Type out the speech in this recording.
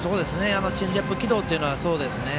チェンジアップ軌道っていうのはそうですね。